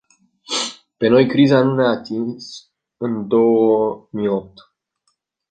Pe noi criza nu ne-a atins în două mii opt.